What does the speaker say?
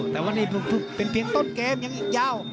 แต่วันนี้เป็นเพียงต้นเกมยังอีกยาว